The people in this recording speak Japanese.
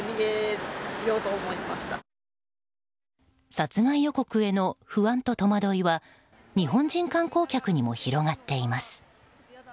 殺害予告への不安と戸惑いは日本人観光客にも広がっています。